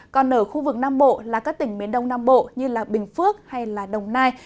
còn ở khu vực nam bộ là các tỉnh miền đông nam bộ như bình phước hay đồng nai